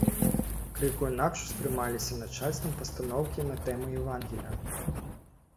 Крыху інакш успрымаліся начальствам пастаноўкі на тэмы евангелля.